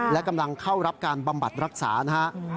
และกำลังเข้ารับการบำบัดรักษานะฮะ